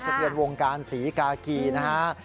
เทือนวงการศรีกากีนะฮะ